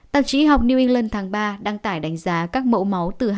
tạp chí học new england tháng ba đăng tải đánh giá các mẫu máu